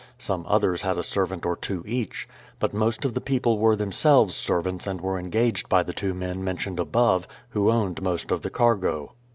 Some others had a servant or two each ; but most of the people were themselves ser vants and were engaged by the two men mentioned above, who owned most of the cargo.